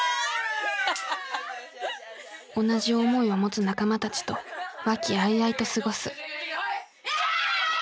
同じ思いを持つ仲間たちと和気あいあいと過ごす。